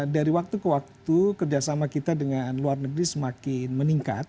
dari waktu ke waktu kerjasama kita dengan luar negeri semakin meningkat